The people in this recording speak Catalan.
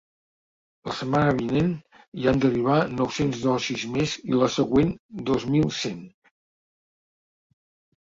La setmana vinent hi han d’arribar nou-cents dosis més i la següent, dos mil cent.